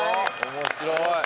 面白い。